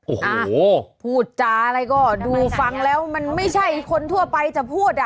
โอ้โหพูดจาอะไรก็ดูฟังแล้วมันไม่ใช่คนทั่วไปจะพูดอ่ะ